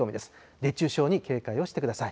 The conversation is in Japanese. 熱中症に警戒をしてください。